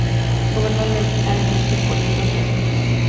Gobernó lealmente Corinto hasta su muerte.